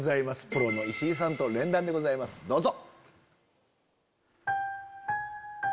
プロの石井さんとの連弾でございますどうぞ。